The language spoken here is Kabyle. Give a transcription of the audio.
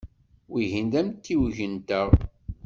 Wihin d amtiweg-nteɣ.